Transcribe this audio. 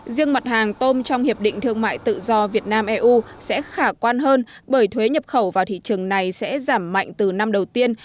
riêng mặt hàng tôm trong hiệp định thương mại tự do việt nam eu sẽ khả quan hơn bởi thuế nhập khẩu vào thị trường này sẽ giảm mạnh từ năm đầu tiên